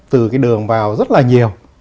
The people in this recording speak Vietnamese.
từ cái đường vào rất là nhiều